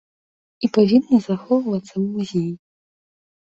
І павінны захоўвацца ў музеі.